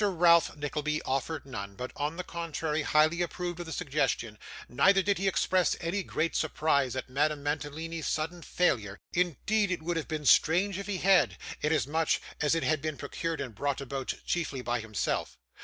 Ralph Nickleby offered none, but, on the contrary, highly approved of the suggestion; neither did he express any great surprise at Madame Mantalini's sudden failure, indeed it would have been strange if he had, inasmuch as it had been procured and brought about chiefly by himself.